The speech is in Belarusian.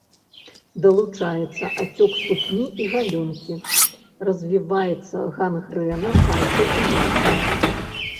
Далучаецца ацёк ступні і галёнкі, развіваецца гангрэна пальцаў і ступняў.